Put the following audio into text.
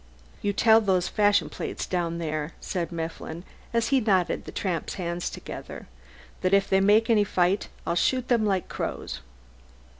"You tell those fashion plates down there," said Mifflin, as he knotted the tramp's hands together, "that if they make any fight I'll shoot them like crows."